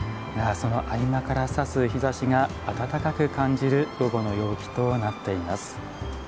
その合間からさす日ざしが暖かく感じる午後の陽気となっています。